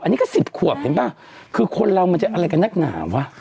อันนี้ก็สิบขวบเห็นป่ะคือคนเรามันจะอะไรกับนักหนาวะ